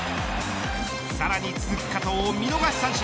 さらに続く加藤を見逃し三振。